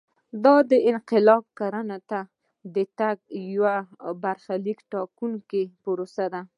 دا انقلاب کرنې ته د ورتګ یوه برخلیک ټاکونکې پروسه وه